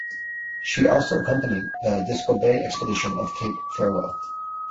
She also accompanied the Disko Bay Expedition of Cape Farewell.